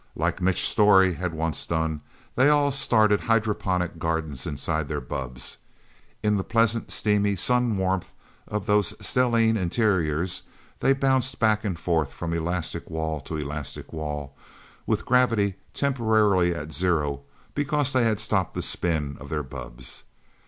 Like Mitch Storey had once done, they all started hydroponic gardens inside their bubbs. In the pleasant, steamy sun warmth of those stellene interiors, they bounced back and forth from elastic wall to elastic wall, with gravity temporarily at zero because they had stopped the spin of their bubbs.